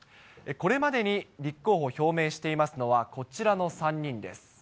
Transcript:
これまでに立候補を表明していますのは、こちらの３人です。